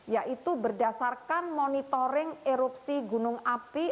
yaitu berdasarkan monitoring erupsi gunung api